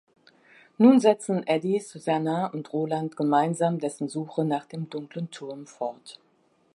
Nun setzen Eddie, Susannah und Roland gemeinsam dessen Suche nach dem Dunklen Turm fort.